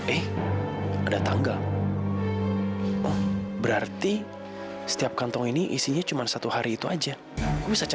eh ada tangga berarti setiap kantong ini isinya ada tangga yang berbeda